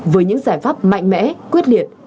với những giải pháp mạnh mẽ quyết liệt